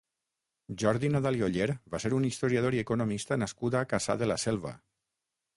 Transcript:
Jordi Nadal i Oller va ser un historiador i economista nascut a Cassà de la Selva.